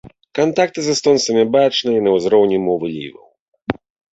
Кантакты з эстонцамі бачныя і на ўзроўні мовы ліваў.